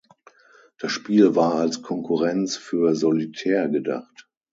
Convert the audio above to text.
Das Spiel war als Konkurrenz für Solitär gedacht.